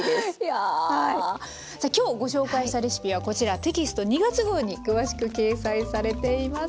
さあ今日ご紹介したレシピはこちらテキスト２月号に詳しく掲載されています。